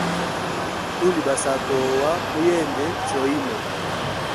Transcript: Tuli basatu ohawa muyende choimo.